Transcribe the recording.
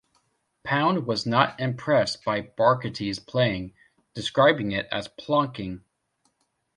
Pound was not impressed by Borgatti's playing, describing it as "plonking".